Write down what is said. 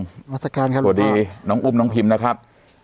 สวัสดีน้องอุ้มน้องพิมพ์นะครับ